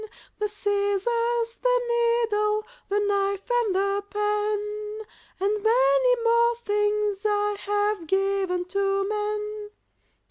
The scissors, the needle, The knife and the pen, And many more things I have given to men.